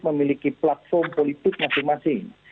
memiliki platform politik masing masing